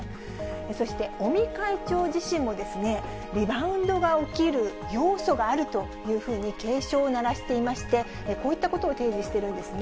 そして尾身会長自身もですね、リバウンドが起きる要素があるというふうに、警鐘を鳴らしていまして、こういったことを提示しているんですね。